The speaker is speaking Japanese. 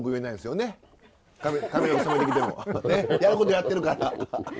やることやってるから。